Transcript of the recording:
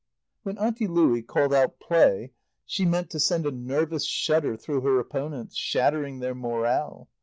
When Auntie Louie called out "Play!" she meant to send a nervous shudder through her opponents, shattering their morale.